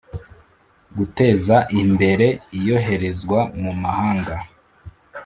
Guteza Imbere Iyoherezwa mu mahanga